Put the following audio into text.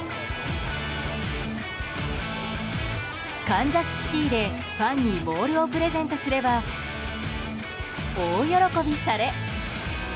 カンザスシティーでファンにボールをプレゼントすれば大喜びされ。